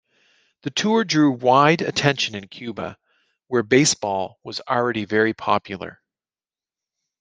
The tour drew wide attention in Cuba, where baseball was already very popular.